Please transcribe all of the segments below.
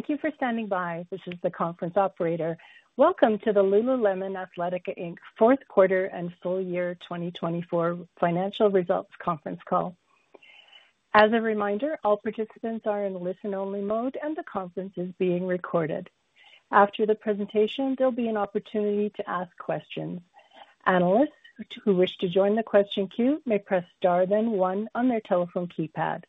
Thank you for standing by. This is the conference operator. Welcome to the lululemon athletica inc Fourth Quarter and Full Year 2024 Financial Results Conference Call. As a reminder, all participants are in listen-only mode, and the conference is being recorded. After the presentation, there'll be an opportunity to ask questions. Analysts who wish to join the question queue may press star then one on their telephone keypad.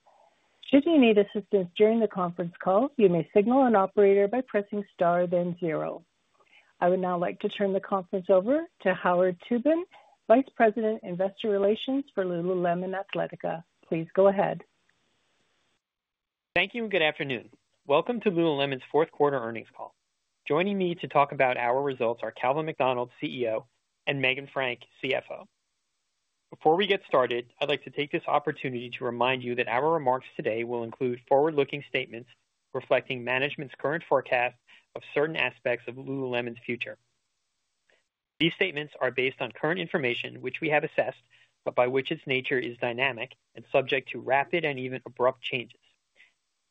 Should you need assistance during the conference call, you may signal an operator by pressing star then zero. I would now like to turn the conference over to Howard Tubin, Vice President, Investor Relations for lululemon athletica. Please go ahead. Thank you, and good afternoon. Welcome to lululemon's Fourth Quarter Earnings Call. Joining me to talk about our results are Calvin McDonald, CEO, and Meghan Frank, CFO. Before we get started, I'd like to take this opportunity to remind you that our remarks today will include forward-looking statements reflecting management's current forecast of certain aspects of lululemon's future. These statements are based on current information, which we have assessed, but by which its nature is dynamic and subject to rapid and even abrupt changes.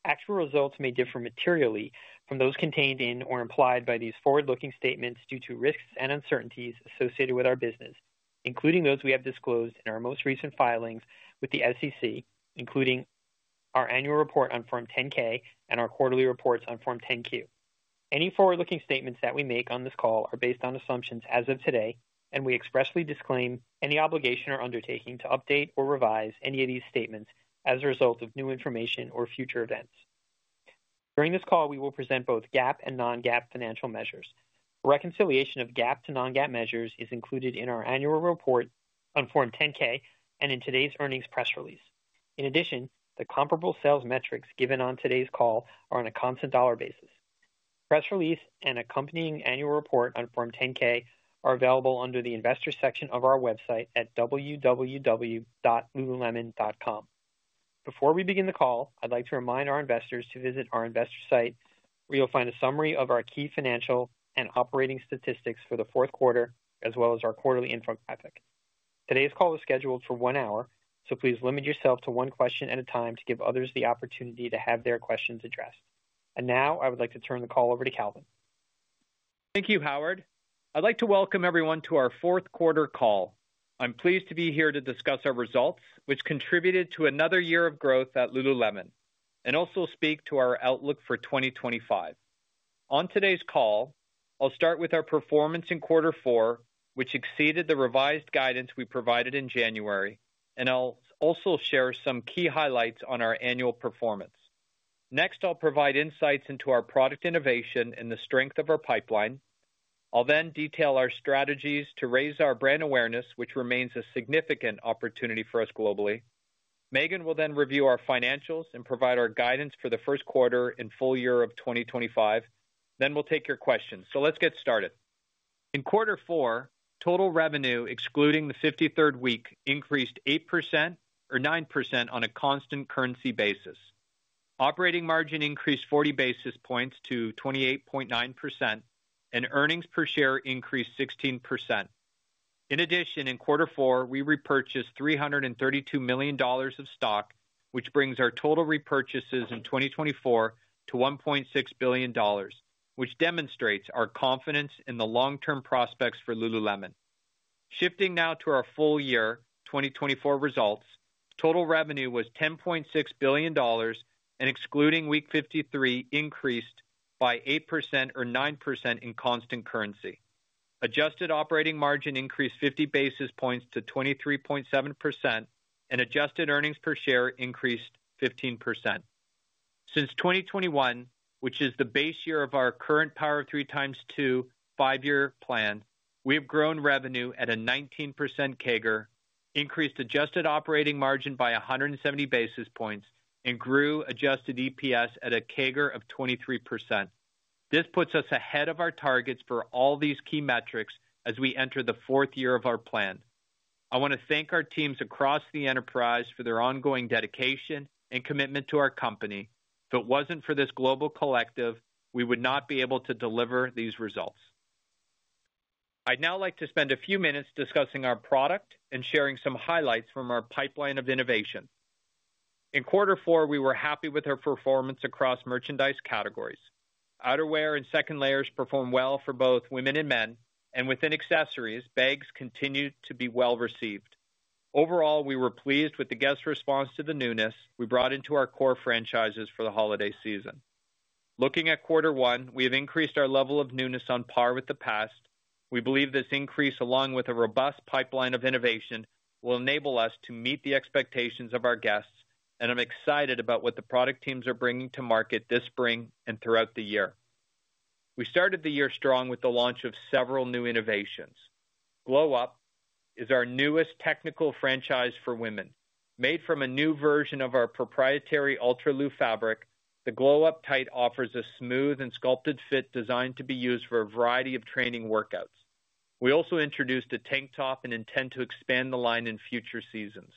Actual results may differ materially from those contained in or implied by these forward-looking statements due to risks and uncertainties associated with our business, including those we have disclosed in our most recent filings with the SEC, including our annual report on Form 10-K and our quarterly reports on Form 10-Q. Any forward-looking statements that we make on this call are based on assumptions as of today, and we expressly disclaim any obligation or undertaking to update or revise any of these statements as a result of new information or future events. During this call, we will present both GAAP and non-GAAP financial measures. Reconciliation of GAAP to non-GAAP measures is included in our annual report on Form 10-K and in today's earnings press release. In addition, the comparable sales metrics given on today's call are on a constant dollar basis. Press release and accompanying annual report on Form 10-K are available under the investor section of our website at www.lululemon.com. Before we begin the call, I'd like to remind our investors to visit our investor site, where you'll find a summary of our key financial and operating statistics for the fourth quarter, as well as our quarterly infographic. Today's call is scheduled for one hour, so please limit yourself to one question at a time to give others the opportunity to have their questions addressed. I would like to turn the call over to Calvin. Thank you, Howard. I'd like to welcome everyone to our fourth quarter call. I'm pleased to be here to discuss our results, which contributed to another year of growth at lululemon, and also speak to our outlook for 2025. On today's call, I'll start with our performance in quarter four, which exceeded the revised guidance we provided in January, and I'll also share some key highlights on our annual performance. Next, I'll provide insights into our product innovation and the strength of our pipeline. I'll then detail our strategies to raise our brand awareness, which remains a significant opportunity for us globally. Meghan will then review our financials and provide our guidance for the first quarter and full year of 2025. We'll take your questions. Let's get started. In quarter four, total revenue, excluding the 53rd week, increased 8% or 9% on a constant currency basis. Operating margin increased 40 basis points to 28.9%, and earnings per share increased 16%. In addition, in quarter four, we repurchased $332 million of stock, which brings our total repurchases in 2024 to $1.6 billion, which demonstrates our confidence in the long-term prospects for lululemon. Shifting now to our full year 2024 results, total revenue was $10.6 billion, and excluding week 53, increased by 8% or 9% in constant currency. Adjusted operating margin increased 50 basis points to 23.7%, and adjusted earnings per share increased 15%. Since 2021, which is the base year of our current Power of Three ×2 five-year plan, we have grown revenue at a 19% CAGR, increased adjusted operating margin by 170 basis points, and grew adjusted EPS at a CAGR of 23%. This puts us ahead of our targets for all these key metrics as we enter the fourth year of our plan. I want to thank our teams across the enterprise for their ongoing dedication and commitment to our company. If it wasn't for this global collective, we would not be able to deliver these results. I'd now like to spend a few minutes discussing our product and sharing some highlights from our pipeline of innovation. In quarter four, we were happy with our performance across merchandise categories. Outerwear and second layers performed well for both women and men, and within accessories, bags continued to be well received. Overall, we were pleased with the guest response to the newness we brought into our core franchises for the holiday season. Looking at quarter one, we have increased our level of newness on par with the past. We believe this increase, along with a robust pipeline of innovation, will enable us to meet the expectations of our guests, and I'm excited about what the product teams are bringing to market this spring and throughout the year. We started the year strong with the launch of several new innovations. Glow Up is our newest technical franchise for women. Made from a new version of our proprietary Ultralu fabric, the Glow Up Tight offers a smooth and sculpted fit designed to be used for a variety of training workouts. We also introduced a tank top and intend to expand the line in future seasons.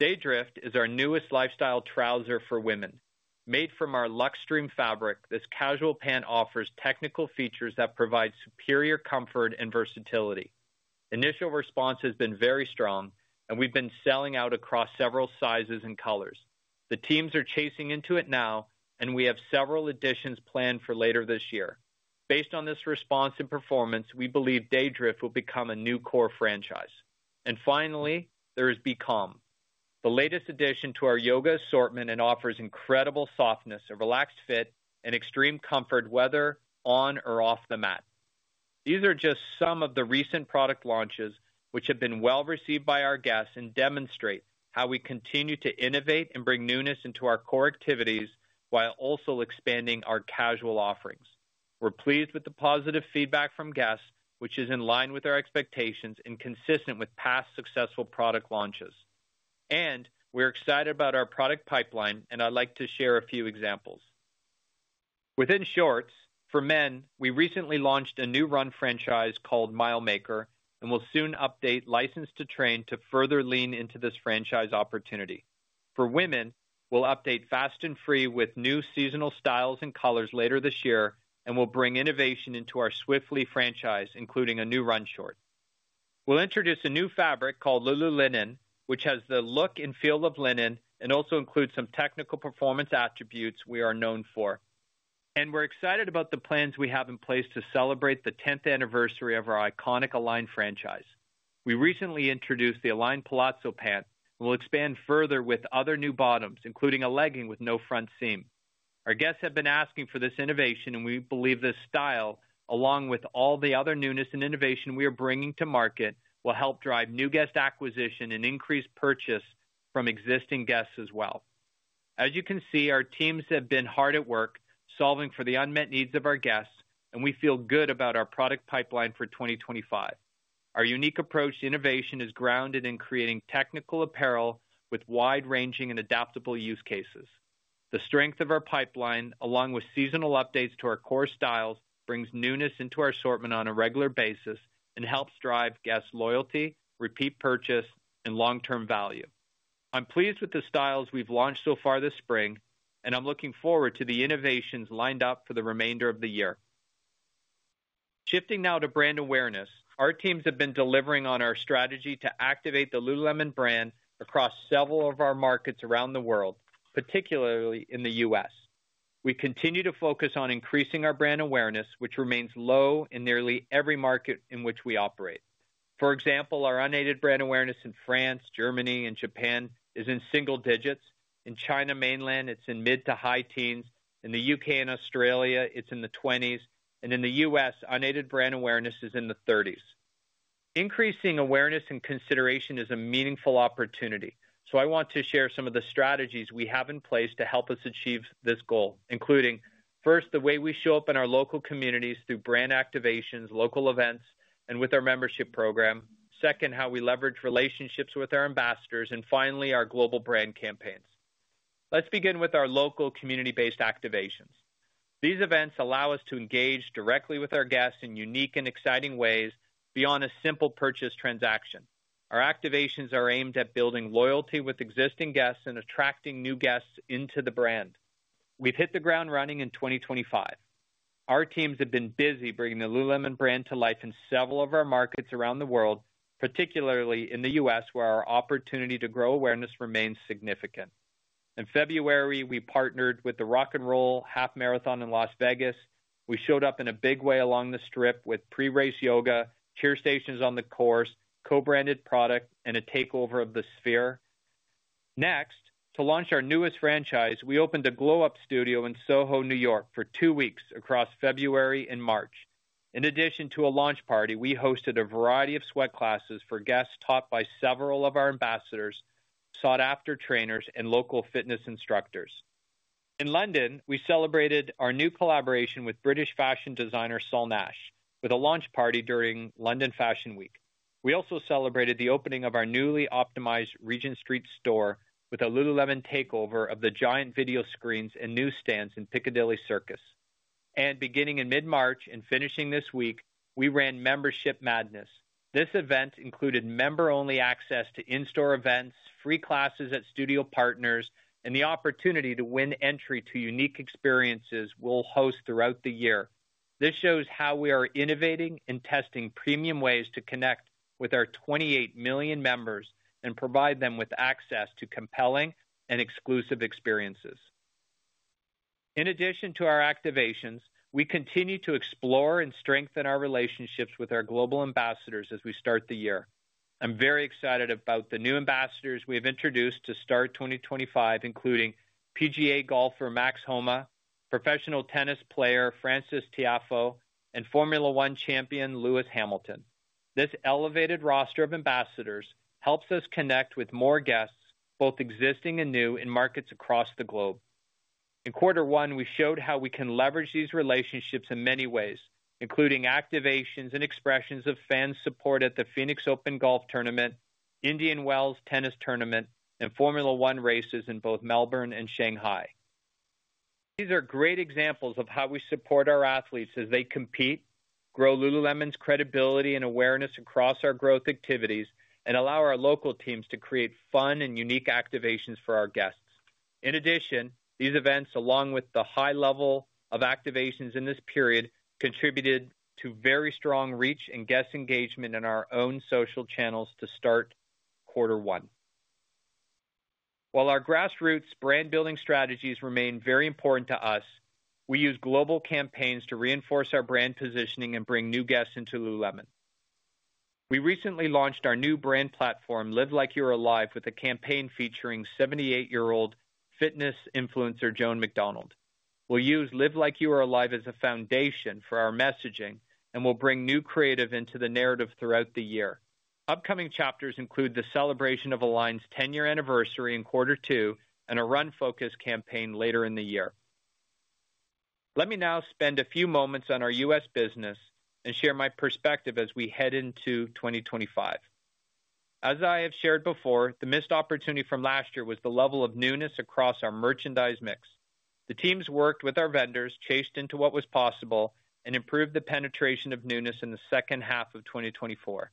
Daydrift is our newest lifestyle trouser for women. Made from our Luxtreme fabric, this casual pant offers technical features that provide superior comfort and versatility. Initial response has been very strong, and we've been selling out across several sizes and colors. The teams are chasing into it now, and we have several additions planned for later this year. Based on this response and performance, we believe Daydrift will become a new core franchise. Finally, there is Become, the latest addition to our yoga assortment and offers incredible softness, a relaxed fit, and extreme comfort whether on or off the mat. These are just some of the recent product launches, which have been well received by our guests and demonstrate how we continue to innovate and bring newness into our core activities while also expanding our casual offerings. We're pleased with the positive feedback from guests, which is in line with our expectations and consistent with past successful product launches. We're excited about our product pipeline, and I'd like to share a few examples. Within shorts, for men, we recently launched a new run franchise called Mile Maker and will soon update License To Train to further lean into this franchise opportunity. For women, we'll update Fast and Free with new seasonal styles and colors later this year and will bring innovation into our Swiftly franchise, including a new run short. We'll introduce a new fabric called Lululinen, which has the look and feel of linen and also includes some technical performance attributes we are known for. We are excited about the plans we have in place to celebrate the 10th anniversary of our iconic Align franchise. We recently introduced the Align Palazzo Pant and will expand further with other new bottoms, including a legging with no front seam. Our guests have been asking for this innovation, and we believe this style, along with all the other newness and innovation we are bringing to market, will help drive new guest acquisition and increase purchase from existing guests as well. As you can see, our teams have been hard at work solving for the unmet needs of our guests, and we feel good about our product pipeline for 2025. Our unique approach to innovation is grounded in creating technical apparel with wide-ranging and adaptable use cases. The strength of our pipeline, along with seasonal updates to our core styles, brings newness into our assortment on a regular basis and helps drive guest loyalty, repeat purchase, and long-term value. I'm pleased with the styles we've launched so far this spring, and I'm looking forward to the innovations lined up for the remainder of the year. Shifting now to brand awareness, our teams have been delivering on our strategy to activate the lululemon brand across several of our markets around the world, particularly in the U.S. We continue to focus on increasing our brand awareness, which remains low in nearly every market in which we operate. For example, our unaided brand awareness in France, Germany, and Japan is in single digits. In China Mainland, it's in the mid to high teens. In the U.K. and Australia, it's in the 20s. In the U.S., unaided brand awareness is in the 30s. Increasing awareness and consideration is a meaningful opportunity, so I want to share some of the strategies we have in place to help us achieve this goal, including first, the way we show up in our local communities through brand activations, local events, and with our membership program. Second, how we leverage relationships with our ambassadors, and finally, our global brand campaigns. Let's begin with our local community-based activations. These events allow us to engage directly with our guests in unique and exciting ways beyond a simple purchase transaction. Our activations are aimed at building loyalty with existing guests and attracting new guests into the brand. We've hit the ground running in 2025. Our teams have been busy bringing the lululemon brand to life in several of our markets around the world, particularly in the U.S., where our opportunity to grow awareness remains significant. In February, we partnered with the Rock ’n’ Roll Half Marathon in Las Vegas. We showed up in a big way along the strip with pre-race yoga, cheer stations on the course, co-branded product, and a takeover of the sphere. Next, to launch our newest franchise, we opened a Glow Up Studio in Soho, New York, for two weeks across February and March. In addition to a launch party, we hosted a variety of sweat classes for guests taught by several of our ambassadors, sought-after trainers, and local fitness instructors. In London, we celebrated our new collaboration with British fashion designer Saul Nash with a launch party during London Fashion Week. We also celebrated the opening of our newly optimized Regent Street store with a lululemon takeover of the giant video screens and new stands in Piccadilly Circus. Beginning in mid-March and finishing this week, we ran Membership Madness. This event included member-only access to in-store events, free classes at studio partners, and the opportunity to win entry to unique experiences we will host throughout the year. This shows how we are innovating and testing premium ways to connect with our 28 million members and provide them with access to compelling and exclusive experiences. In addition to our activations, we continue to explore and strengthen our relationships with our global ambassadors as we start the year. I'm very excited about the new ambassadors we have introduced to start 2025, including PGA golfer Max Homa, professional tennis player Frances Tiafoe, and Formula 1 champion Lewis Hamilton. This elevated roster of ambassadors helps us connect with more guests, both existing and new, in markets across the globe. In quarter one, we showed how we can leverage these relationships in many ways, including activations and expressions of fan support at the Phoenix Open Golf Tournament, Indian Wells Tennis Tournament, and Formula 1 races in both Melbourne and Shanghai. These are great examples of how we support our athletes as they compete, grow lululemon's credibility and awareness across our growth activities, and allow our local teams to create fun and unique activations for our guests. In addition, these events, along with the high level of activations in this period, contributed to very strong reach and guest engagement in our own social channels to start quarter one. While our grassroots brand-building strategies remain very important to us, we use global campaigns to reinforce our brand positioning and bring new guests into lululemon. We recently launched our new brand platform, Live Like You Are Alive, with a campaign featuring 78-year-old fitness influencer Joan MacDonald. We will use Live Like You Are Alive as a foundation for our messaging and will bring new creative into the narrative throughout the year. Upcoming chapters include the celebration of Align's 10-year anniversary in quarter two and a run-focused campaign later in the year. Let me now spend a few moments on our U.S. business and share my perspective as we head into 2025. As I have shared before, the missed opportunity from last year was the level of newness across our merchandise mix. The teams worked with our vendors, chased into what was possible, and improved the penetration of newness in the second half of 2024.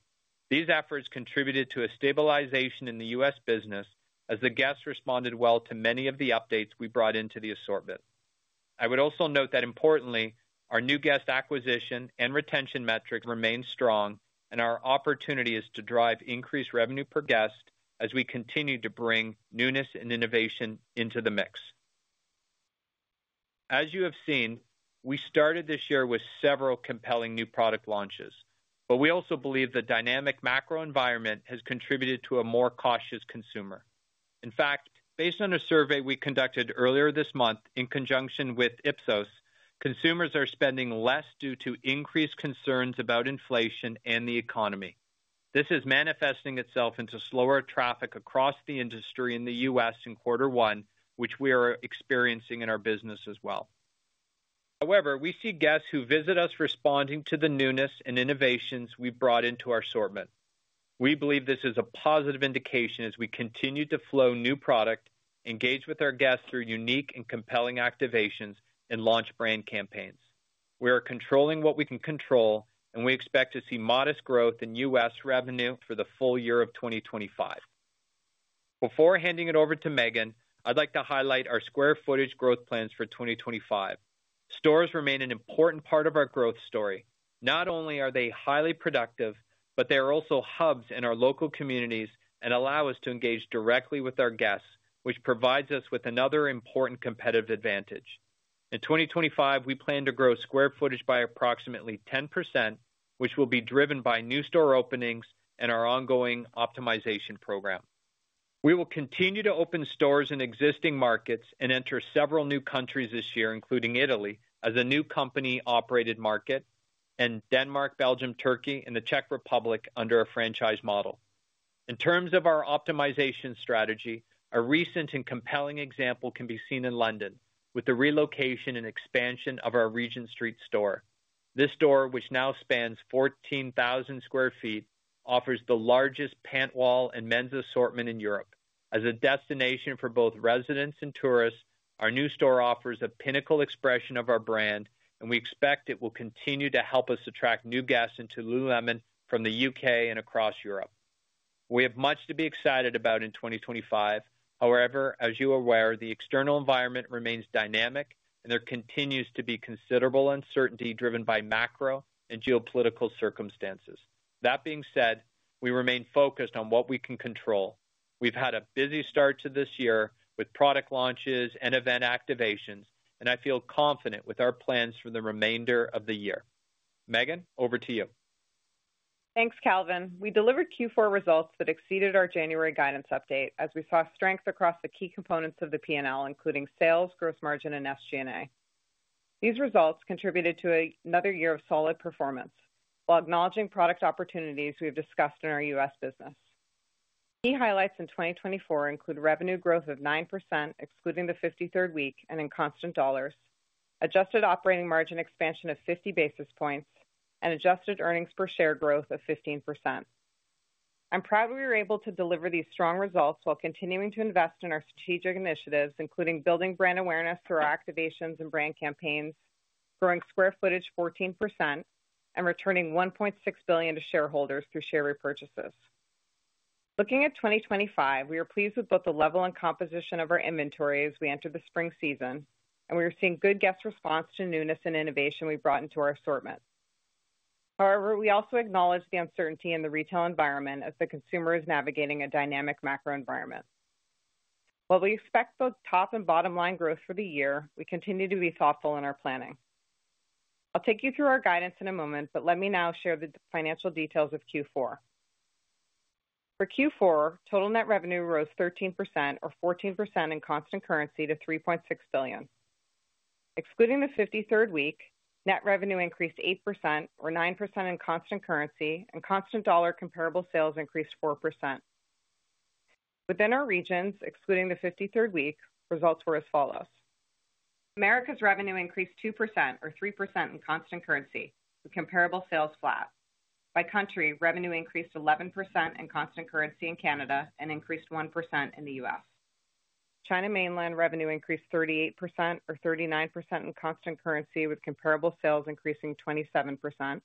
These efforts contributed to a stabilization in the U.S. business as the guests responded well to many of the updates we brought into the assortment. I would also note that importantly, our new guest acquisition and retention metrics remain strong, and our opportunity is to drive increased revenue per guest as we continue to bring newness and innovation into the mix. As you have seen, we started this year with several compelling new product launches, but we also believe the dynamic macro environment has contributed to a more cautious consumer. In fact, based on a survey we conducted earlier this month in conjunction with Ipsos, consumers are spending less due to increased concerns about inflation and the economy. This is manifesting itself into slower traffic across the industry in the U.S. in quarter one, which we are experiencing in our business as well. However, we see guests who visit us responding to the newness and innovations we brought into our assortment. We believe this is a positive indication as we continue to flow new product, engage with our guests through unique and compelling activations, and launch brand campaigns. We are controlling what we can control, and we expect to see modest growth in U.S. revenue for the full year of 2025. Before handing it over to Meghan, I'd like to highlight our square footage growth plans for 2025. Stores remain an important part of our growth story. Not only are they highly productive, but they are also hubs in our local communities and allow us to engage directly with our guests, which provides us with another important competitive advantage. In 2025, we plan to grow square footage by approximately 10%, which will be driven by new store openings and our ongoing optimization program. We will continue to open stores in existing markets and enter several new countries this year, including Italy as a new company-operated market, and Denmark, Belgium, Turkey, and the Czech Republic under a franchise model. In terms of our optimization strategy, a recent and compelling example can be seen in London with the relocation and expansion of our Regent Street store. This store, which now spans 14,000 sq ft, offers the largest pant wall and men's assortment in Europe. As a destination for both residents and tourists, our new store offers a pinnacle expression of our brand, and we expect it will continue to help us attract new guests into lululemon from the U.K. and across Europe. We have much to be excited about in 2025. However, as you are aware, the external environment remains dynamic, and there continues to be considerable uncertainty driven by macro and geopolitical circumstances. That being said, we remain focused on what we can control. We've had a busy start to this year with product launches and event activations, and I feel confident with our plans for the remainder of the year. Meghan, over to you. Thanks, Calvin. We delivered Q4 results that exceeded our January guidance update as we saw strengths across the key components of the P&L, including sales, gross margin, and SG&A. These results contributed to another year of solid performance while acknowledging product opportunities we have discussed in our U.S. business. Key highlights in 2024 include revenue growth of 9%, excluding the 53rd week, and in constant dollars, adjusted operating margin expansion of 50 basis points, and adjusted earnings per share growth of 15%. I'm proud we were able to deliver these strong results while continuing to invest in our strategic initiatives, including building brand awareness through our activations and brand campaigns, growing square footage 14%, and returning $1.6 billion to shareholders through share repurchases. Looking at 2025, we are pleased with both the level and composition of our inventory as we enter the spring season, and we are seeing good guest response to newness and innovation we brought into our assortment. However, we also acknowledge the uncertainty in the retail environment as the consumer is navigating a dynamic macro environment. While we expect both top and bottom-line growth for the year, we continue to be thoughtful in our planning. I'll take you through our guidance in a moment, but let me now share the financial details of Q4. For Q4, total net revenue rose 13% or 14% in constant currency to $3.6 billion. Excluding the 53rd week, net revenue increased 8% or 9% in constant currency, and constant dollar comparable sales increased 4%. Within our regions, excluding the 53rd week, results were as follows. America's revenue increased 2% or 3% in constant currency, with comparable sales flat. By country, revenue increased 11% in constant currency in Canada and increased 1% in the U.S. China Mainland revenue increased 38% or 39% in constant currency, with comparable sales increasing 27%.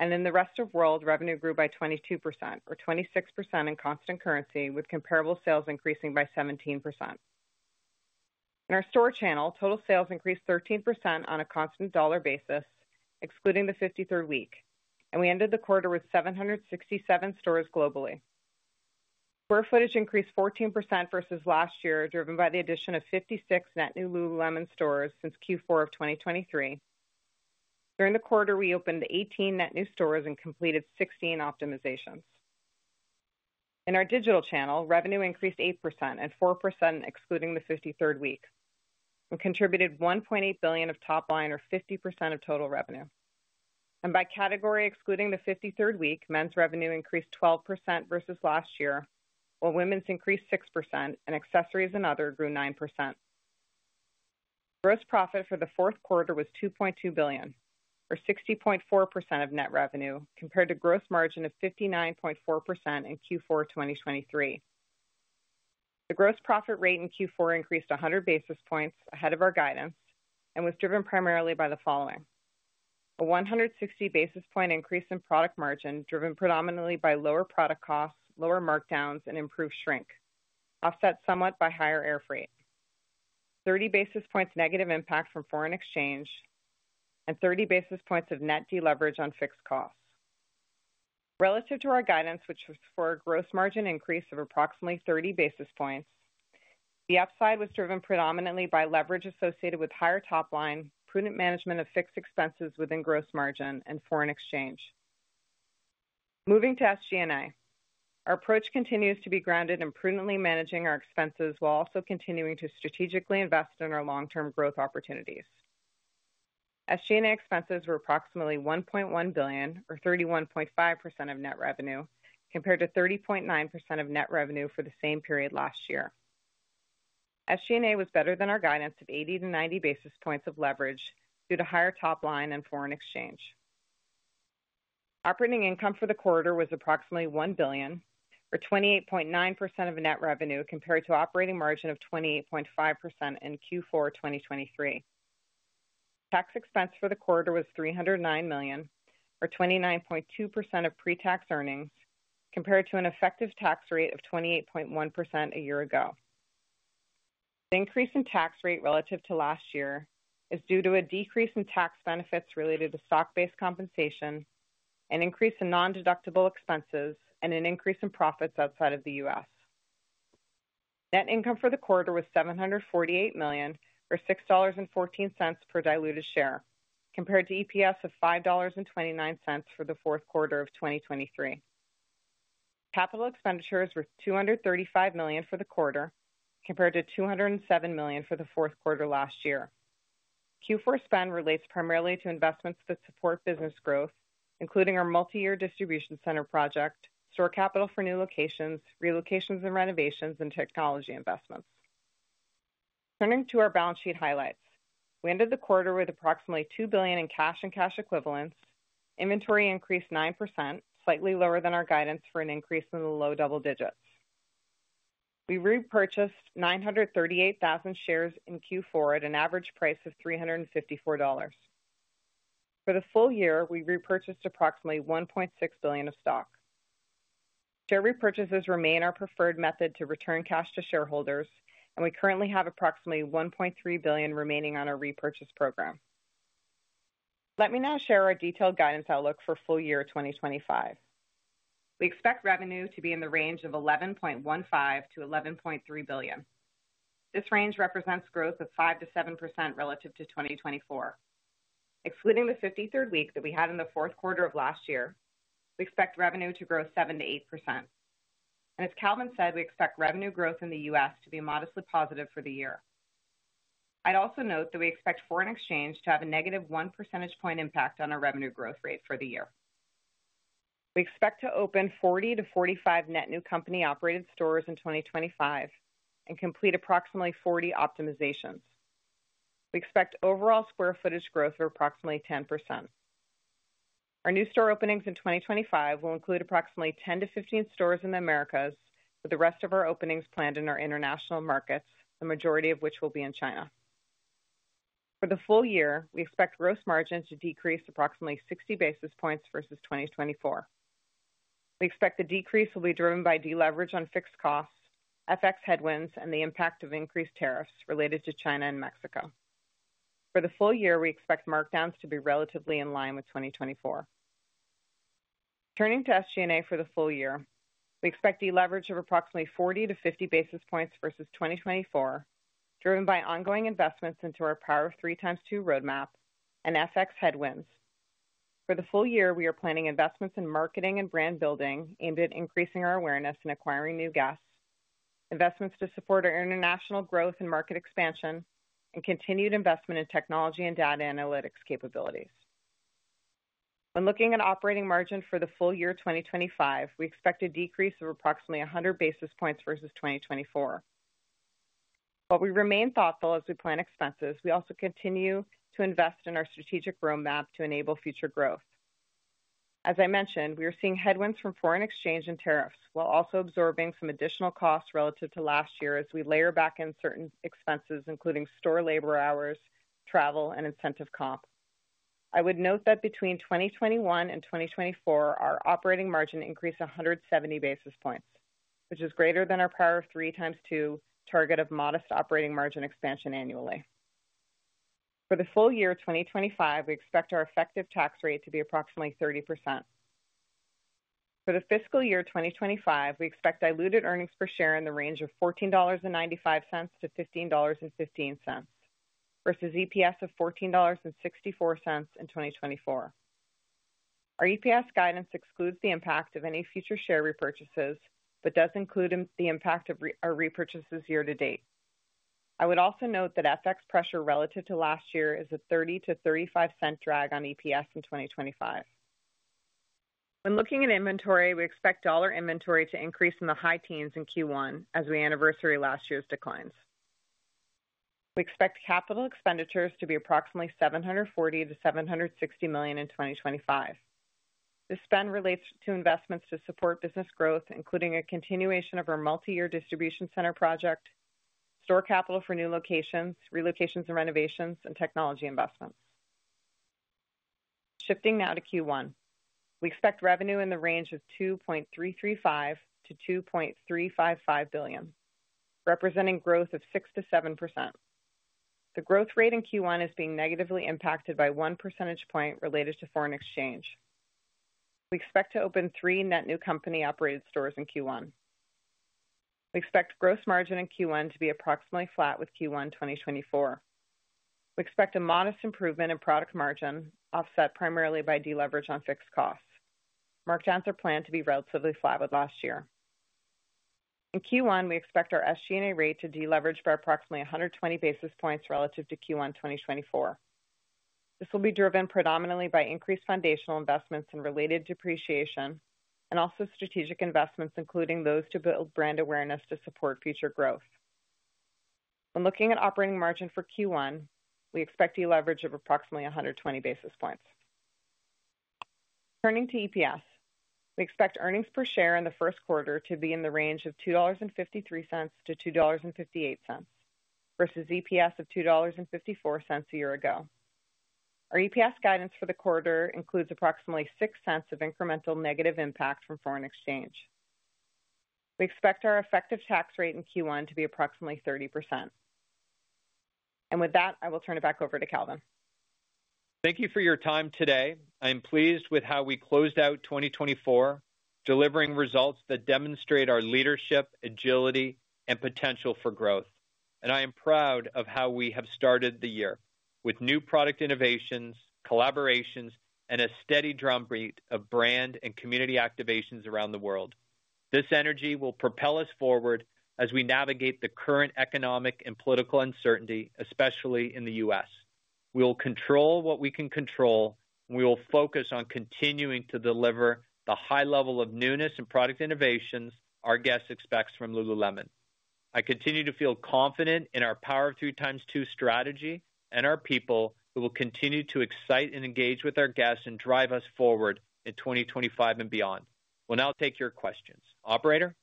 In the rest of the world, revenue grew by 22% or 26% in constant currency, with comparable sales increasing by 17%. In our store channel, total sales increased 13% on a constant dollar basis, excluding the 53rd week, and we ended the quarter with 767 stores globally. Square footage increased 14% versus last year, driven by the addition of 56 net new lululemon stores since Q4 of 2023. During the quarter, we opened 18 net new stores and completed 16 optimizations. In our digital channel, revenue increased 8% and 4%, excluding the 53rd week, and contributed $1.8 billion of top line or 50% of total revenue. By category, excluding the 53rd week, men's revenue increased 12% versus last year, while women's increased 6%, and accessories and other grew 9%. Gross profit for the fourth quarter was $2.2 billion, or 60.4% of net revenue, compared to gross margin of 59.4% in Q4 2023. The gross profit rate in Q4 increased 100 basis points ahead of our guidance and was driven primarily by the following: a 160 basis point increase in product margin, driven predominantly by lower product costs, lower markdowns, and improved shrink, offset somewhat by higher air freight, 30 basis points negative impact from foreign exchange, and 30 basis points of net deleverage on fixed costs. Relative to our guidance, which was for a gross margin increase of approximately 30 basis points, the upside was driven predominantly by leverage associated with higher top line, prudent management of fixed expenses within gross margin, and foreign exchange. Moving to SG&A, our approach continues to be grounded in prudently managing our expenses while also continuing to strategically invest in our long-term growth opportunities. SG&A expenses were approximately $1.1 billion, or 31.5% of net revenue, compared to 30.9% of net revenue for the same period last year. SG&A was better than our guidance of 80-90 basis points of leverage due to higher top line and foreign exchange. Operating income for the quarter was approximately $1 billion, or 28.9% of net revenue, compared to operating margin of 28.5% in Q4 2023. Tax expense for the quarter was $309 million, or 29.2% of pre-tax earnings, compared to an effective tax rate of 28.1% a year ago. The increase in tax rate relative to last year is due to a decrease in tax benefits related to stock-based compensation, an increase in non-deductible expenses, and an increase in profits outside of the U.S. Net income for the quarter was $748 million, or $6.14 per diluted share, compared to EPS of $5.29 for the fourth quarter of 2023. Capital expenditures were $235 million for the quarter, compared to $207 million for the fourth quarter last year. Q4 spend relates primarily to investments that support business growth, including our multi-year distribution center project, store capital for new locations, relocations and renovations, and technology investments. Turning to our balance sheet highlights, we ended the quarter with approximately $2 billion in cash and cash equivalents. Inventory increased 9%, slightly lower than our guidance for an increase in the low double digits. We repurchased 938,000 shares in Q4 at an average price of $354. For the full year, we repurchased approximately $1.6 billion of stock. Share repurchases remain our preferred method to return cash to shareholders, and we currently have approximately $1.3 billion remaining on our repurchase program. Let me now share our detailed guidance outlook for full year 2025. We expect revenue to be in the range of $11.15 billion-$11.3 billion. This range represents growth of 5%-7% relative to 2024. Excluding the 53rd week that we had in the fourth quarter of last year, we expect revenue to grow 7%-8%. As Calvin said, we expect revenue growth in the U.S. to be modestly positive for the year. I'd also note that we expect foreign exchange to have a negative 1 percentage point impact on our revenue growth rate for the year. We expect to open 40-45 net new company-operated stores in 2025 and complete approximately 40 optimizations. We expect overall square footage growth of approximately 10%. Our new store openings in 2025 will include approximately 10-15 stores in the Americas, with the rest of our openings planned in our international markets, the majority of which will be in China. For the full year, we expect gross margin to decrease approximately 60 basis points versus 2024. We expect the decrease will be driven by deleverage on fixed costs, FX headwinds, and the impact of increased tariffs related to China and Mexico. For the full year, we expect markdowns to be relatively in line with 2024. Turning to SG&A for the full year, we expect deleverage of approximately 40-50 basis points versus 2024, driven by ongoing investments into our Power of Three ×2 roadmap and FX headwinds. For the full year, we are planning investments in marketing and brand building aimed at increasing our awareness and acquiring new guests, investments to support our international growth and market expansion, and continued investment in technology and data analytics capabilities. When looking at operating margin for the full year 2025, we expect a decrease of approximately 100 basis points versus 2024. While we remain thoughtful as we plan expenses, we also continue to invest in our strategic roadmap to enable future growth. As I mentioned, we are seeing headwinds from foreign exchange and tariffs while also absorbing some additional costs relative to last year as we layer back in certain expenses, including store labor hours, travel, and incentive comp. I would note that between 2021 and 2024, our operating margin increased 170 basis points, which is greater than our Power of Three ×2 target of modest operating margin expansion annually. For the full year 2025, we expect our effective tax rate to be approximately 30%. For the fiscal year 2025, we expect diluted earnings per share in the range of $14.95-$15.15 versus EPS of $14.64 in 2024. Our EPS guidance excludes the impact of any future share repurchases but does include the impact of our repurchases year to date. I would also note that foreign exchange pressure relative to last year is a $0.30-$0.35 drag on EPS in 2025. When looking at inventory, we expect dollar inventory to increase in the high teens in Q1 as we anniversary last year's declines. We expect capital expenditures to be approximately $740 million-$760 million in 2025. This spend relates to investments to support business growth, including a continuation of our multi-year distribution center project, store capital for new locations, relocations and renovations, and technology investments. Shifting now to Q1, we expect revenue in the range of $2.335 billion-$2.355 billion, representing growth of 6%-7%. The growth rate in Q1 is being negatively impacted by one percentage point related to foreign exchange. We expect to open three net new company-operated stores in Q1. We expect gross margin in Q1 to be approximately flat with Q1 2024. We expect a modest improvement in product margin, offset primarily by deleverage on fixed costs. Markdowns are planned to be relatively flat with last year. In Q1, we expect our SG&A rate to deleverage by approximately 120 basis points relative to Q1 2024. This will be driven predominantly by increased foundational investments in related depreciation and also strategic investments, including those to build brand awareness to support future growth. When looking at operating margin for Q1, we expect deleverage of approximately 120 basis points. Turning to EPS, we expect earnings per share in the first quarter to be in the range of $2.53-$2.58 versus EPS of $2.54 a year ago. Our EPS guidance for the quarter includes approximately $0.06 of incremental negative impact from foreign exchange. We expect our effective tax rate in Q1 to be approximately 30%. With that, I will turn it back over to Calvin. Thank you for your time today. I am pleased with how we closed out 2024, delivering results that demonstrate our leadership, agility, and potential for growth. I am proud of how we have started the year with new product innovations, collaborations, and a steady drumbeat of brand and community activations around the world. This energy will propel us forward as we navigate the current economic and political uncertainty, especially in the U.S. We will control what we can control, and we will focus on continuing to deliver the high level of newness and product innovations our guests expect from lululemon. I continue to feel confident our Power of Three ×2 strategy and our people who will continue to excite and engage with our guests and drive us forward in 2025 and beyond. We'll now take your questions. Operator?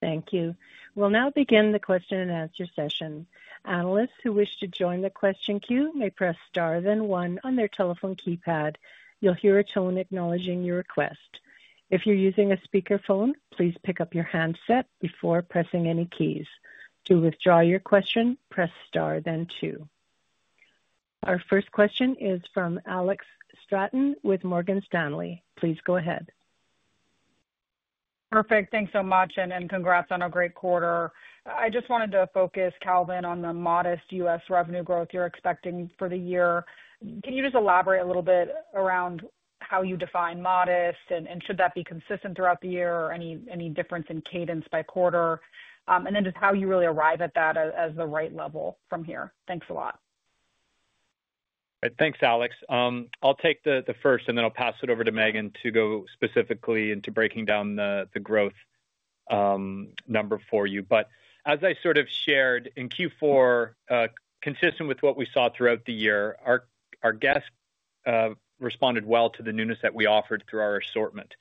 Thank you. We'll now begin the question-and-answer session. Analysts who wish to join the question queue may press star then one on their telephone keypad. You'll hear a tone acknowledging your request. If you're using a speakerphone, please pick up your handset before pressing any keys. To withdraw your question, press star then two. Our first question is from Alex Straton with Morgan Stanley. Please go ahead. Perfect. Thanks so much, and congrats on a great quarter. I just wanted to focus, Calvin, on the modest U.S. revenue growth you're expecting for the year. Can you just elaborate a little bit around how you define modest, and should that be consistent throughout the year, or any difference in cadence by quarter? And then just how you really arrive at that as the right level from here. Thanks a lot. Thanks, Alex. I'll take the first, and then I'll pass it over to Meghan to go specifically into breaking down the growth number for you. As I sort of shared, in Q4, consistent with what we saw throughout the year, our guests responded well to the newness that we offered through our assortment.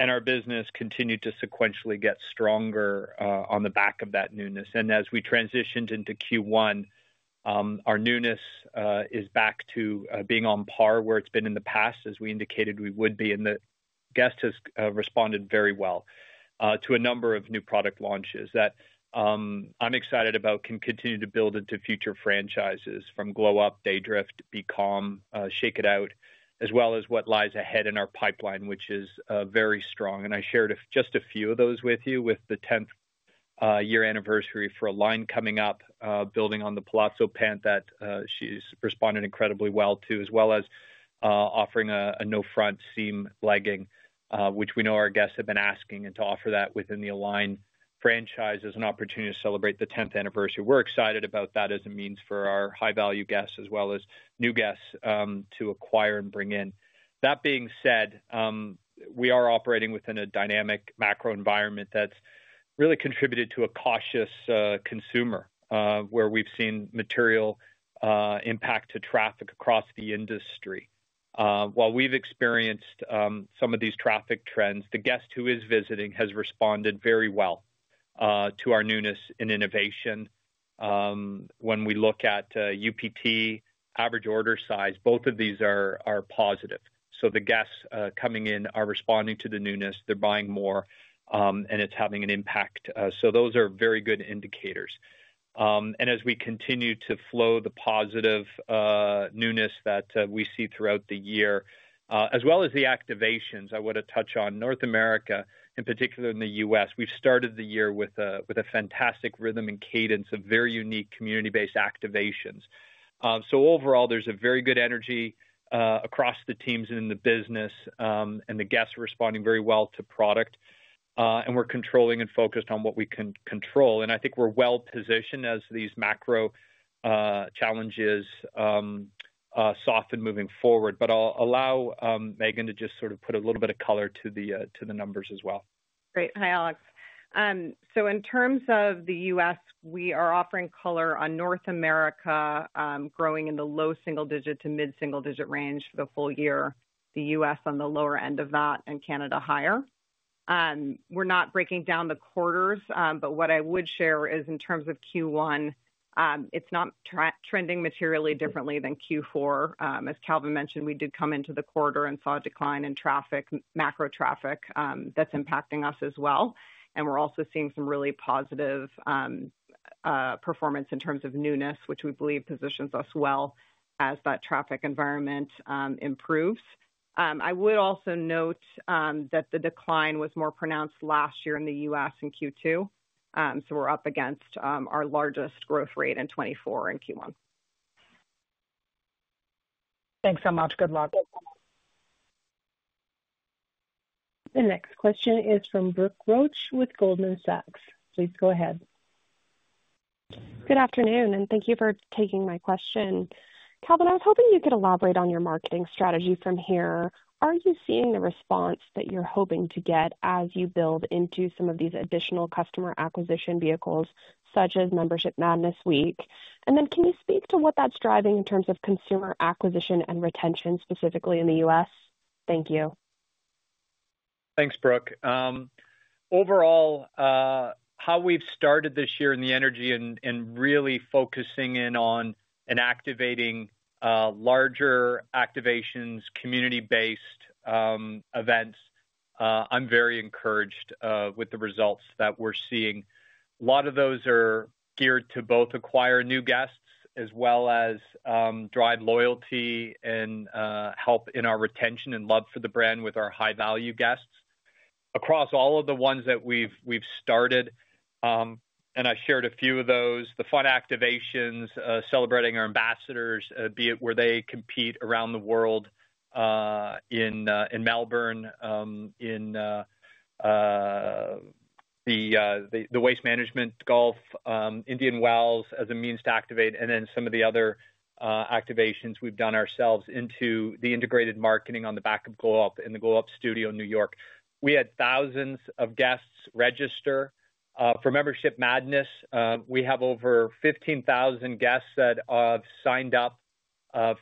Our business continued to sequentially get stronger on the back of that newness. As we transitioned into Q1, our newness is back to being on par where it's been in the past, as we indicated we would be. The guest has responded very well to a number of new product launches that I'm excited about can continue to build into future franchises from Glow Up, Daydrift, Become, Shake It Out, as well as what lies ahead in our pipeline, which is very strong. I shared just a few of those with you with the 10th year anniversary for Align coming up, building on the Palazzo pant that she's responded incredibly well to, as well as offering a no-front seam legging, which we know our guests have been asking, and to offer that within the Align franchise as an opportunity to celebrate the 10th anniversary. We're excited about that as a means for our high-value guests, as well as new guests to acquire and bring in. That being said, we are operating within a dynamic macro environment that's really contributed to a cautious consumer, where we've seen material impact to traffic across the industry. While we've experienced some of these traffic trends, the guest who is visiting has responded very well to our newness in innovation. When we look at UPT, average order size, both of these are positive. The guests coming in are responding to the newness. They're buying more, and it's having an impact. Those are very good indicators. As we continue to flow the positive newness that we see throughout the year, as well as the activations, I want to touch on North America, in particular in the U.S. We've started the year with a fantastic rhythm and cadence of very unique community-based activations. Overall, there's a very good energy across the teams and in the business, and the guests are responding very well to product. We're controlling and focused on what we can control. I think we're well positioned as these macro challenges soften moving forward. I'll allow Meghan to just sort of put a little bit of color to the numbers as well. Great. Hi, Alex. In terms of the U.S., we are offering color on North America growing in the low single-digit to mid-single-digit range for the full year, the U.S. on the lower end of that, and Canada higher. We're not breaking down the quarters, but what I would share is in terms of Q1, it's not trending materially differently than Q4. As Calvin mentioned, we did come into the quarter and saw a decline in traffic, macro traffic that's impacting us as well. We're also seeing some really positive performance in terms of newness, which we believe positions us well as that traffic environment improves. I would also note that the decline was more pronounced last year in the U.S. in Q2. We're up against our largest growth rate in 2024 in Q1. Thanks so much. Good luck. The next question is from Brooke Roach with Goldman Sachs. Please go ahead. Good afternoon, and thank you for taking my question. Calvin, I was hoping you could elaborate on your marketing strategy from here. Are you seeing the response that you're hoping to get as you build into some of these additional customer acquisition vehicles such as membership madness week? Can you speak to what that's driving in terms of consumer acquisition and retention specifically in the U.S.? Thank you. Thanks, Brooke. Overall, how we've started this year in the energy and really focusing in on and activating larger activations, community-based events, I'm very encouraged with the results that we're seeing. A lot of those are geared to both acquire new guests as well as drive loyalty and help in our retention and love for the brand with our high-value guests. Across all of the ones that we've started, and I shared a few of those, the fun activations, celebrating our ambassadors, be it where they compete around the world in Melbourne, in the Waste Management golf, Indian Wells as a means to activate, and then some of the other activations we've done ourselves into the integrated marketing on the back of Glow Up in the Glow Up Studio in New York. We had thousands of guests register. For membership madness, we have over 15,000 guests that have signed up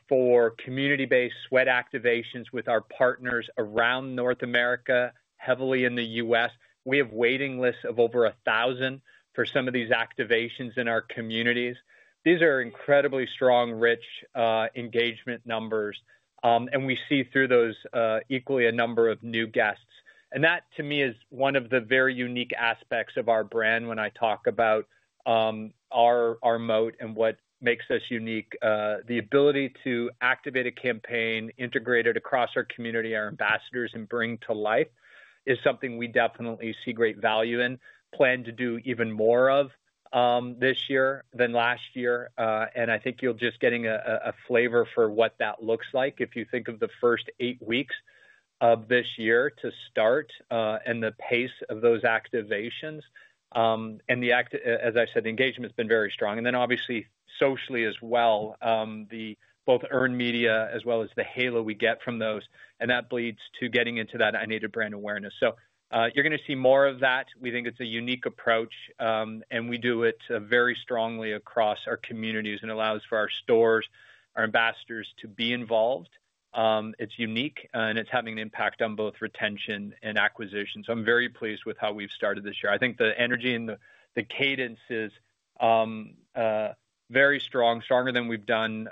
for community-based sweat activations with our partners around North America, heavily in the U.S. We have waiting lists of over 1,000 for some of these activations in our communities. These are incredibly strong, rich engagement numbers. We see through those equally a number of new guests. That, to me, is one of the very unique aspects of our brand when I talk about our moat and what makes us unique. The ability to activate a campaign integrated across our community, our ambassadors, and bring to life is something we definitely see great value in, plan to do even more of this year than last year. I think you'll just getting a flavor for what that looks like if you think of the first eight weeks of this year to start and the pace of those activations. As I said, engagement has been very strong. Obviously socially as well, both earned media as well as the halo we get from those. That bleeds to getting into that unaided brand awareness. You're going to see more of that. We think it's a unique approach, and we do it very strongly across our communities and allows for our stores, our ambassadors to be involved. It's unique, and it's having an impact on both retention and acquisition. I am very pleased with how we've started this year. I think the energy and the cadence is very strong, stronger than we've done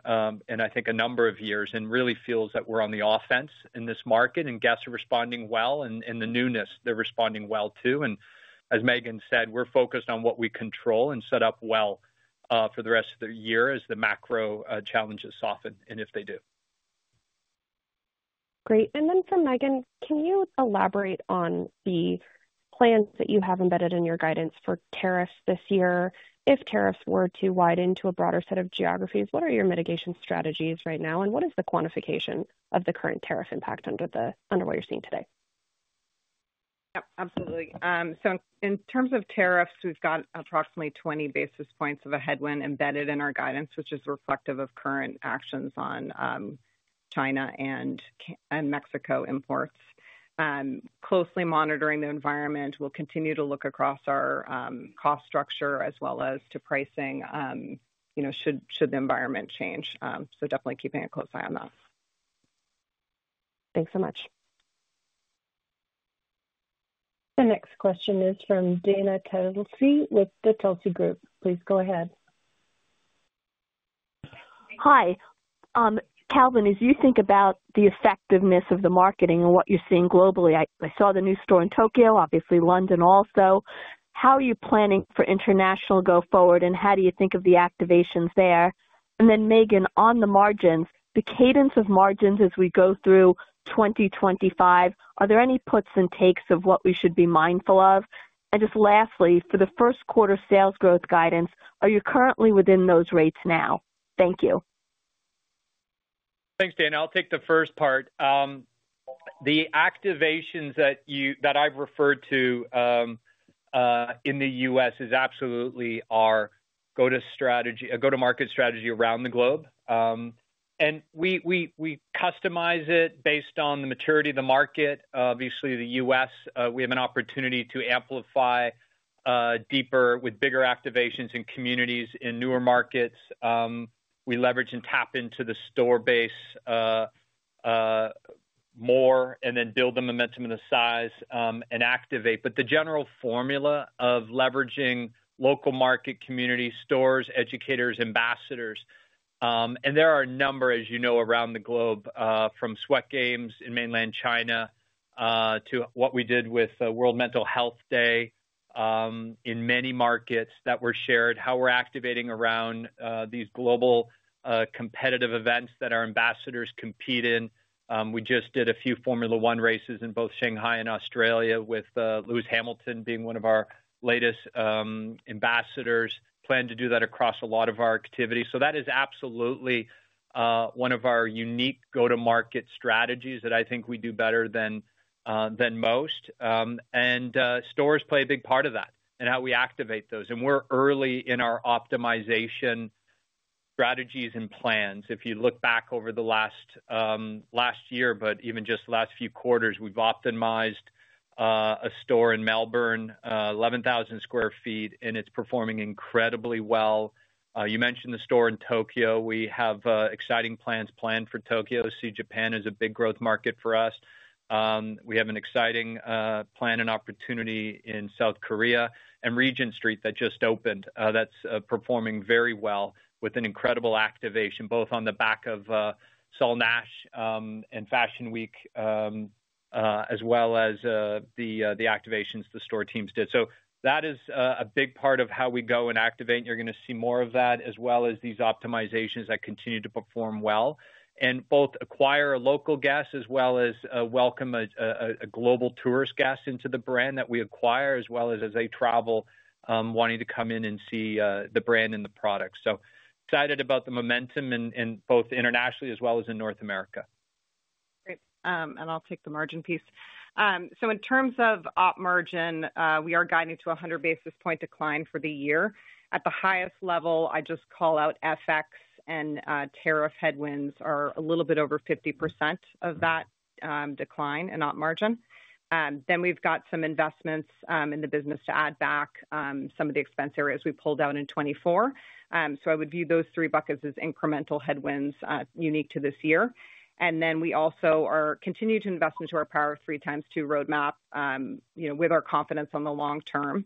in, I think, a number of years, and really feels that we're on the offense in this market, and guests are responding well, and the newness, they're responding well too. As Meghan said, we're focused on what we control and set up well for the rest of the year as the macro challenges soften and if they do. Great. For Meghan, can you elaborate on the plans that you have embedded in your guidance for tariffs this year? If tariffs were to widen to a broader set of geographies, what are your mitigation strategies right now, and what is the quantification of the current tariff impact under what you're seeing today? Yep, absolutely. In terms of tariffs, we've got approximately 20 basis points of a headwind embedded in our guidance, which is reflective of current actions on China and Mexico imports. Closely monitoring the environment. We'll continue to look across our cost structure as well as to pricing should the environment change. Definitely keeping a close eye on that. Thanks so much. The next question is from Dana Telsey with the Telsey Group. Please go ahead. Hi. Calvin, as you think about the effectiveness of the marketing and what you're seeing globally, I saw the new store in Tokyo, obviously London also. How are you planning for international go forward, and how do you think of the activations there? Meghan, on the margins, the cadence of margins as we go through 2025, are there any puts and takes of what we should be mindful of? Just lastly, for the first quarter sales growth guidance, are you currently within those rates now? Thank you. Thanks, Dana. I'll take the first part. The activations that I've referred to in the U.S. is absolutely our go-to-market strategy around the globe. We customize it based on the maturity of the market. Obviously, the U.S., we have an opportunity to amplify deeper with bigger activations in communities. In newer markets, we leverage and tap into the store base more and then build the momentum and the size and activate. The general formula of leveraging local market community stores, educators, ambassadors, and there are a number, as you know, around the globe from sweat games in mainland China to what we did with World Mental Health Day in many markets that were shared, how we're activating around these global competitive events that our ambassadors compete in. We just did a few Formula 1 races in both Shanghai and Australia, with Lewis Hamilton being one of our latest ambassadors. Plan to do that across a lot of our activity. That is absolutely one of our unique go-to-market strategies that I think we do better than most. Stores play a big part of that and how we activate those. We're early in our optimization strategies and plans. If you look back over the last year, but even just the last few quarters, we've optimized a store in Melbourne, 11,000 sq ft, and it's performing incredibly well. You mentioned the store in Tokyo. We have exciting plans planned for Tokyo. See, Japan is a big growth market for us. We have an exciting plan and opportunity in South Korea and Regent Street that just opened. That's performing very well with an incredible activation, both on the back of Saul Nash and Fashion Week, as well as the activations the store teams did. That is a big part of how we go and activate. You're going to see more of that, as well as these optimizations that continue to perform well and both acquire local guests as well as welcome a global tourist guest into the brand that we acquire as well as as they travel, wanting to come in and see the brand and the product. Excited about the momentum in both internationally as well as in North America. Great. I'll take the margin piece. In terms of op margin, we are guiding to a 100 basis point decline for the year. At the highest level, I just call out FX and tariff headwinds are a little bit over 50% of that decline in op margin. Then we've got some investments in the business to add back some of the expense areas we pulled out in 2024. I would view those three buckets as incremental headwinds unique to this year. We also are continuing to invest into our Power of Three ×2 roadmap with our confidence on the long term.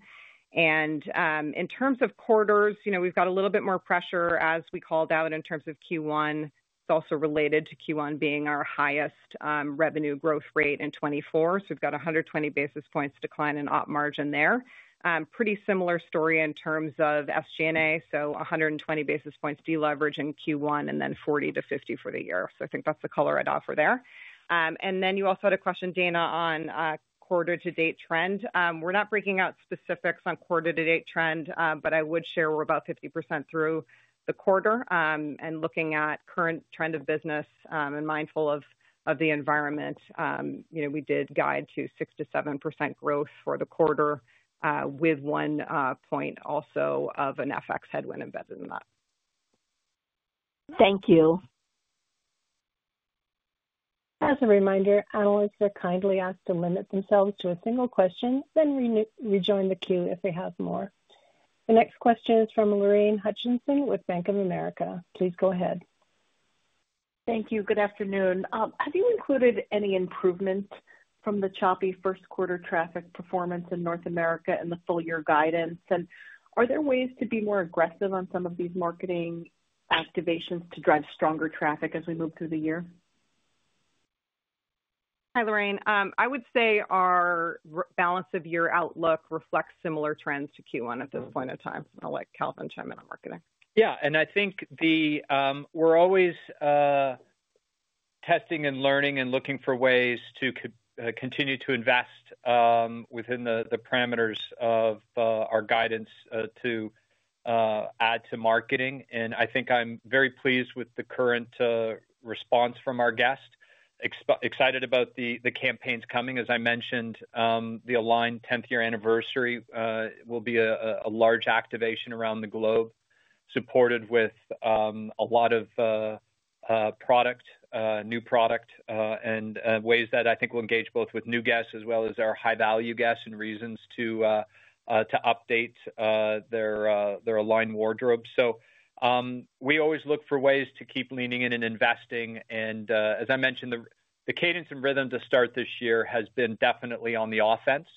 In terms of quarters, we have a little bit more pressure as we called out in terms of Q1. It is also related to Q1 being our highest revenue growth rate in 2024. We have 120 basis points decline in operating margin there. Pretty similar story in terms of SG&A. So 120 basis points deleverage in Q1 and then 40-50 for the year. I think that is the color I would offer there. You also had a question, Dana, on quarter-to-date trend. We are not breaking out specifics on quarter-to-date trend, but I would share we are about 50% through the quarter. Looking at current trend of business and mindful of the environment, we did guide to 6%-7% growth for the quarter with one point also of an FX headwind embedded in that. Thank you. As a reminder, analysts are kindly asked to limit themselves to a single question, then rejoin the queue if they have more. The next question is from Lorraine Hutchinson with Bank of America. Please go ahead. Thank you. Good afternoon. Have you included any improvements from the choppy first quarter traffic performance in North America in the full year guidance? And are there ways to be more aggressive on some of these marketing activations to drive stronger traffic as we move through the year? Hi, Lorraine. I would say our balance of year outlook reflects similar trends to Q1 at this point in time. I'll let Calvin chime in on marketing. Yeah. I think we're always testing and learning and looking for ways to continue to invest within the parameters of our guidance to add to marketing. I think I'm very pleased with the current response from our guests. Excited about the campaigns coming. As I mentioned, the Align 10th year anniversary will be a large activation around the globe, supported with a lot of product, new product, and ways that I think will engage both with new guests as well as our high-value guests and reasons to update their Align wardrobe. We always look for ways to keep leaning in and investing. As I mentioned, the cadence and rhythm to start this year has been definitely on the offense.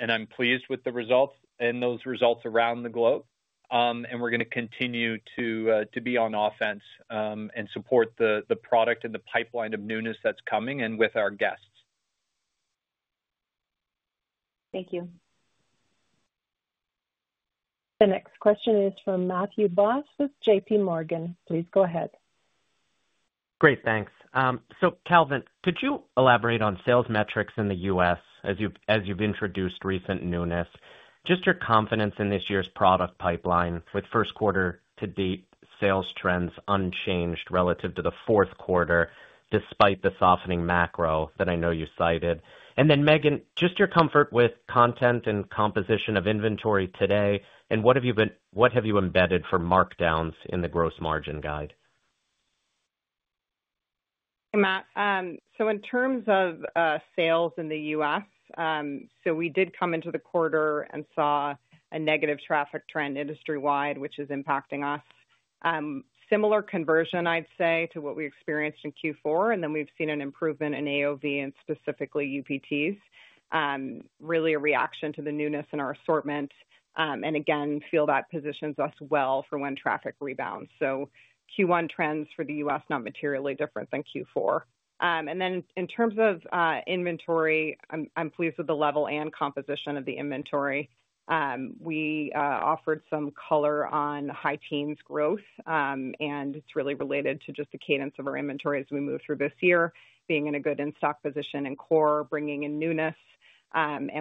I'm pleased with the results and those results around the globe. We're going to continue to be on offense and support the product and the pipeline of newness that's coming and with our guests. Thank you. The next question is from Matthew Boss with JPMorgan. Please go ahead. Great. Thanks. Calvin, could you elaborate on sales metrics in the U.S. as you've introduced recent newness? Just your confidence in this year's product pipeline with first quarter-to-date sales trends unchanged relative to the fourth quarter despite the softening macro that I know you cited. Meghan, just your comfort with content and composition of inventory today, and what have you embedded for markdowns in the gross margin guide? In terms of sales in the U.S., we did come into the quarter and saw a negative traffic trend industry-wide, which is impacting us. Similar conversion, I'd say, to what we experienced in Q4. We've seen an improvement in AOV and specifically UPTs, really a reaction to the newness in our assortment. I feel that positions us well for when traffic rebounds. Q1 trends for the U.S. are not materially different than Q4. In terms of inventory, I'm pleased with the level and composition of the inventory. We offered some color on high teens growth, and it's really related to just the cadence of our inventory as we move through this year, being in a good in-stock position in core, bringing in newness.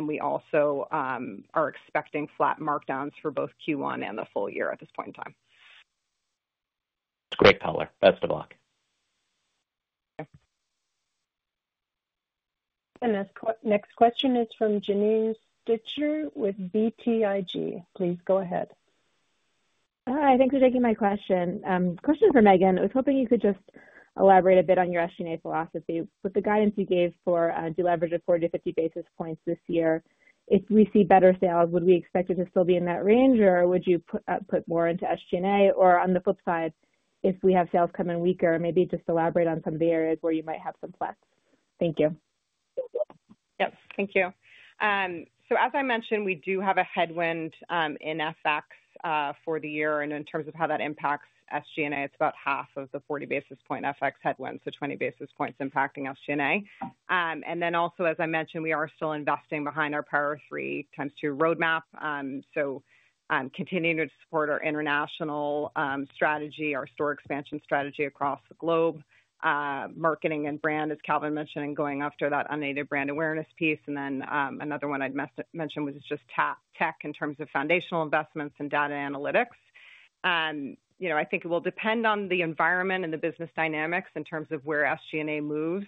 We also are expecting flat markdowns for both Q1 and the full year at this point in time. It's great color. Best of luck. Thank you. The next question is from Janine Stichter with BTIG. Please go ahead. Hi. Thanks for taking my question. Question for Meghan. I was hoping you could just elaborate a bit on your SG&A philosophy. With the guidance you gave for deleverage of 40-50 basis points this year, if we see better sales, would we expect it to still be in that range, or would you put more into SG&A? Or on the flip side, if we have sales come in weaker, maybe just elaborate on some of the areas where you might have some flex. Thank you. Yep. Thank you. As I mentioned, we do have a headwind in FX for the year. In terms of how that impacts SG&A, it is about half of the 40 basis point FX headwind, so 20 basis points impacting SG&A. Also, as I mentioned, we are still investing behind our Power of Three ×2 roadmap. Continuing to support our international strategy, our store expansion strategy across the globe, marketing and brand, as Calvin mentioned, and going after that unneeded brand awareness piece. Another one I'd mention was just tech in terms of foundational investments and data analytics. I think it will depend on the environment and the business dynamics in terms of where SG&A moves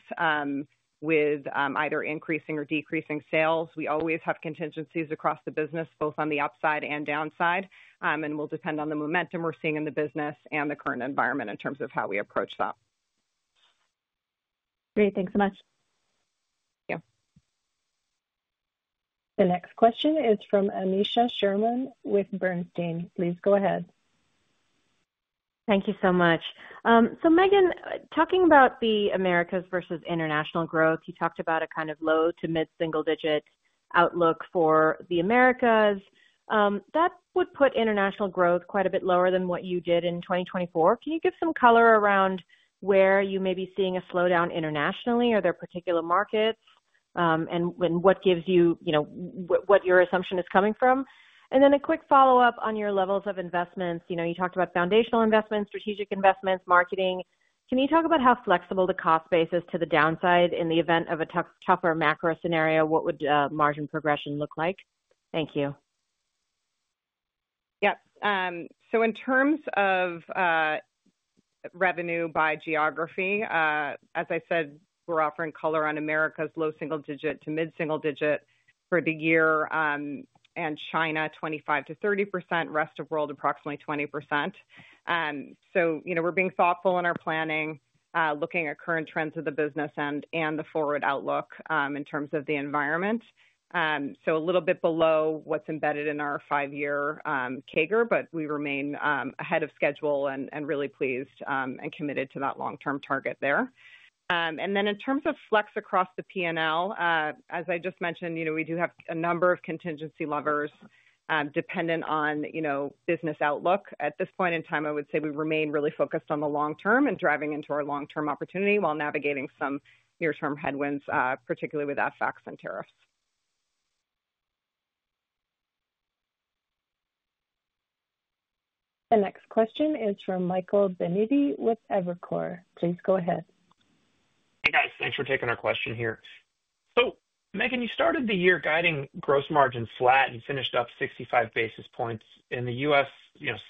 with either increasing or decreasing sales. We always have contingencies across the business, both on the upside and downside, and will depend on the momentum we're seeing in the business and the current environment in terms of how we approach that. Great. Thanks so much. Thank you. The next question is from Aneesha Sherman with Bernstein. Please go ahead. Thank you so much. Meghan, talking about the Americas versus international growth, you talked about a kind of low to mid-single-digit outlook for the Americas. That would put international growth quite a bit lower than what you did in 2024. Can you give some color around where you may be seeing a slowdown internationally? Are there particular markets? What gives you what your assumption is coming from? A quick follow-up on your levels of investments. You talked about foundational investments, strategic investments, marketing. Can you talk about how flexible the cost base is to the downside in the event of a tougher macro scenario? What would margin progression look like? Thank you. Yep. In terms of revenue by geography, as I said, we're offering color on Americas low single-digit to mid-single-digit for the year and China 25%-30%, Rest of World approximately 20%. We're being thoughtful in our planning, looking at current trends of the business and the forward outlook in terms of the environment. A little bit below what's embedded in our five-year CAGR, but we remain ahead of schedule and really pleased and committed to that long-term target there. In terms of flex across the P&L, as I just mentioned, we do have a number of contingency levers dependent on business outlook. At this point in time, I would say we remain really focused on the long term and driving into our long-term opportunity while navigating some near-term headwinds, particularly with FX and tariffs. The next question is from Michael Binetti with Evercore. Please go ahead. Hey, guys. Thanks for taking our question here. Meghan, you started the year guiding gross margins flat and finished up 65 basis points. The U.S.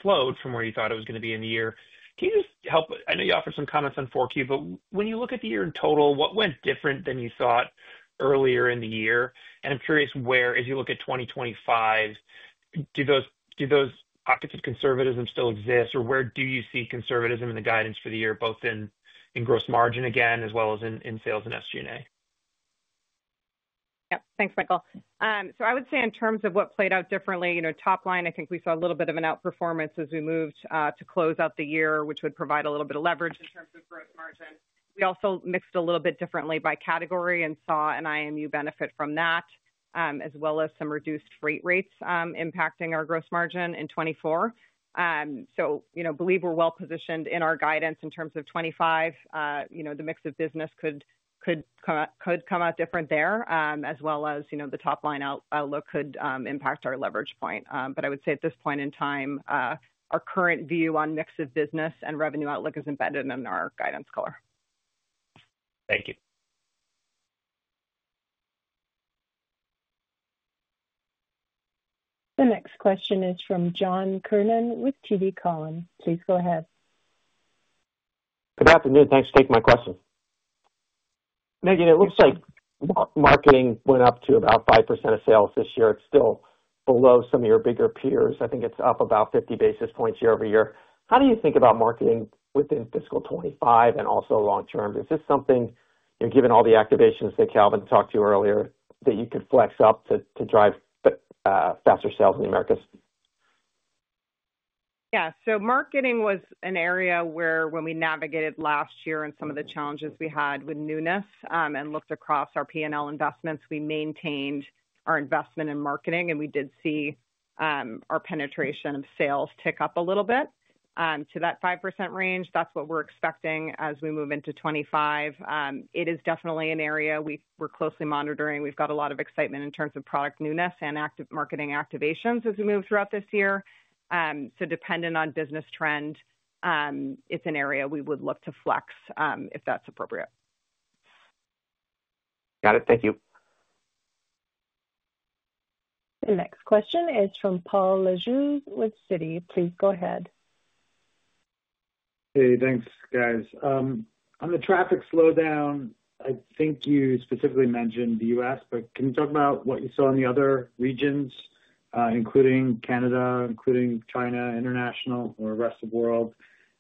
slowed from where you thought it was going to be in the year. Can you just help? I know you offered some comments on 4Q, but when you look at the year in total, what went different than you thought earlier in the year? I'm curious where, as you look at 2025, do those pockets of conservatism still exist, or where do you see conservatism in the guidance for the year, both in gross margin again as well as in sales and SG&A? Yep. Thanks, Michael. I would say in terms of what played out differently, top line, I think we saw a little bit of an outperformance as we moved to close out the year, which would provide a little bit of leverage in terms of gross margin. We also mixed a little bit differently by category and saw an IMU benefit from that, as well as some reduced freight rates impacting our gross margin in 2024. I believe we are well positioned in our guidance in terms of 2025. The mix of business could come out different there, as well as the top line outlook could impact our leverage point. I would say at this point in time, our current view on mix of business and revenue outlook is embedded in our guidance color. Thank you. The next question is from John Kernan with TD Cowen. Please go ahead. Good afternoon. Thanks for taking my question. Meghan, it looks like marketing went up to about 5% of sales this year. It is still below some of your bigger peers. I think it is up about 50 basis points year over year. How do you think about marketing within fiscal 2025 and also long term? Is this something, given all the activations that Calvin talked to earlier, that you could flex up to drive faster sales in the Americas? Yeah. Marketing was an area where when we navigated last year and some of the challenges we had with newness and looked across our P&L investments, we maintained our investment in marketing, and we did see our penetration of sales tick up a little bit to that 5% range. That is what we are expecting as we move into 2025. It is definitely an area we are closely monitoring. We have got a lot of excitement in terms of product newness and marketing activations as we move throughout this year. Dependent on business trend, it is an area we would look to flex if that is appropriate. Got it. Thank you. The next question is from Paul Lejuez with Citi. Please go ahead. Hey, thanks, guys. On the traffic slowdown, I think you specifically mentioned the U.S., but can you talk about what you saw in the other regions, including Canada, including China, international, or rest of world?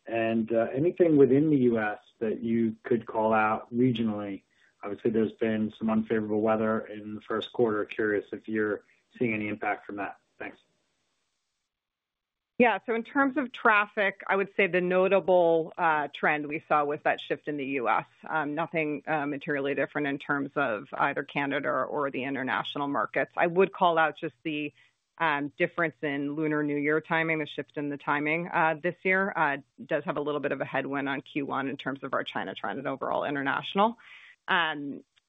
Anything within the U.S. that you could call out regionally? Obviously, there's been some unfavorable weather in the first quarter. Curious if you're seeing any impact from that. Thanks. Yeah. In terms of traffic, I would say the notable trend we saw was that shift in the U.S. Nothing materially different in terms of either Canada or the international markets. I would call out just the difference in Lunar New Year timing, the shift in the timing this year. It does have a little bit of a headwind on Q1 in terms of our China trend and overall international.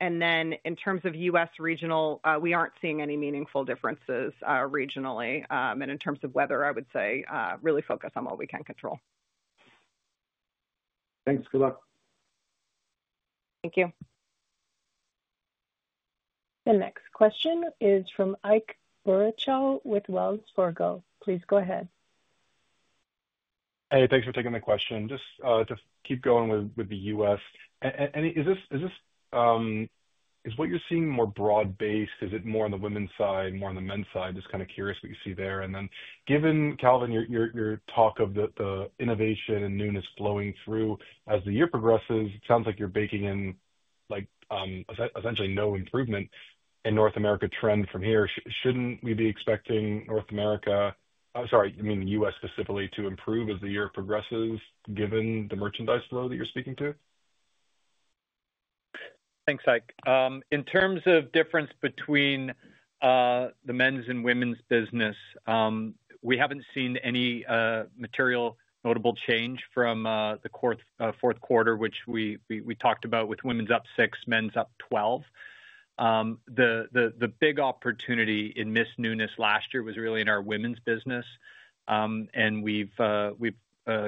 In terms of U.S. regional, we aren't seeing any meaningful differences regionally. In terms of weather, I would say really focus on what we can control. Thanks. Good luck. Thank you. The next question is from Ike Boruchow with Wells Fargo. Please go ahead. Hey, thanks for taking the question. Just keep going with the U.S. Is what you're seeing more broad-based? Is it more on the women's side, more on the men's side? Just kind of curious what you see there. Given, Calvin, your talk of the innovation and newness flowing through as the year progresses, it sounds like you're baking in essentially no improvement in North America trend from here. Shouldn't we be expecting North America—sorry, I mean the U.S. specifically—to improve as the year progresses given the merchandise flow that you're speaking to? Thanks, Ike. In terms of difference between the men's and women's business, we haven't seen any material notable change from the fourth quarter, which we talked about with women's up 6%, men's up 12%. The big opportunity in missed newness last year was really in our women's business. We have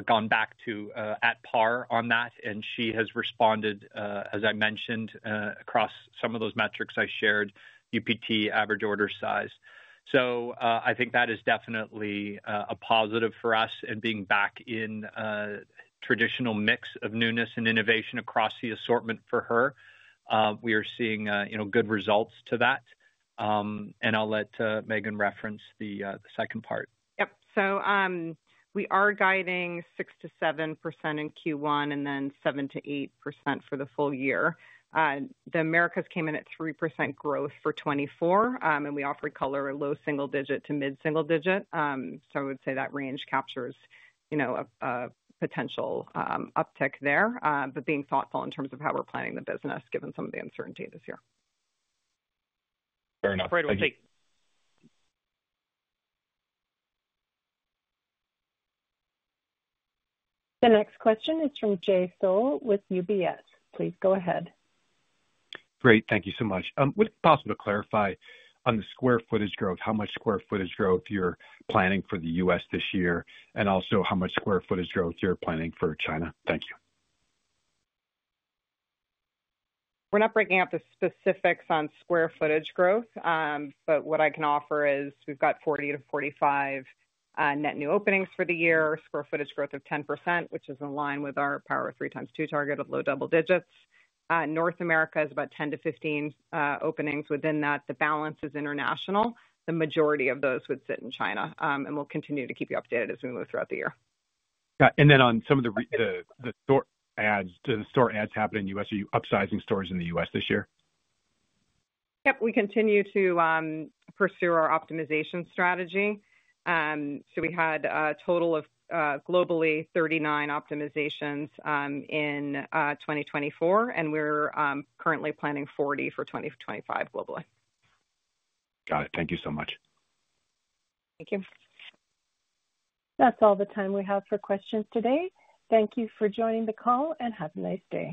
gone back to at par on that. She has responded, as I mentioned, across some of those metrics I shared, UPT, average order size. I think that is definitely a positive for us in being back in traditional mix of newness and innovation across the assortment for her. We are seeing good results to that. I will let Meghan reference the second part. Yep. We are guiding 6-7% in Q1 and then 7-8% for the full year. The Americas came in at 3% growth for 2024. We offered color a low single digit to mid-single digit. I would say that range captures a potential uptick there, but being thoughtful in terms of how we're planning the business given some of the uncertainty this year. Fair enough. Great. The next question is from Jay Sole with UBS. Please go ahead. Great. Thank you so much. Would it be possible to clarify on the square footage growth, how much square footage growth you're planning for the U.S. this year, and also how much square footage growth you're planning for China? Thank you. We're not breaking out the specifics on square footage growth, but what I can offer is we've got 40-45 net new openings for the year, square footage growth of 10%, which is in line with our Power of Three ×2 target of low double digits. North America is about 10-15 openings within that. The balance is international. The majority of those would sit in China. We will continue to keep you updated as we move throughout the year. Got it. On some of the store adds, the store adds happening in the U.S., are you upsizing stores in the U.S. this year? Yep. We continue to pursue our optimization strategy. We had a total of globally 39 optimizations in 2024, and we are currently planning 40 for 2025 globally. Got it. Thank you so much. Thank you. That is all the time we have for questions today. Thank you for joining the call and have a nice day.